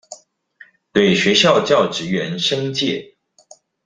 對學校教職員申誡